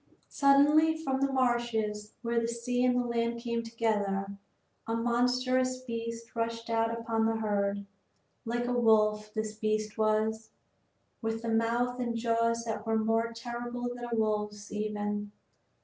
Suddenly, from the marshes where the sea and land came together, a monstrous beast rushed out upon the herd; like a wolf this beast was, but with mouth and jaws that were more terrible than a wolf's even.